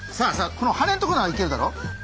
このハネんとこならいけるだろ？